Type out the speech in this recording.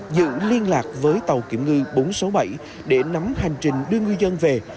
giữ liên lạc với tàu kiểm ngư bốn trăm sáu mươi bảy để nắm hành trình đưa ngư dân về